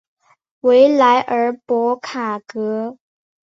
维莱尔博卡格。